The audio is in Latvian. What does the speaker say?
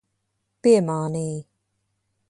Piemānīji.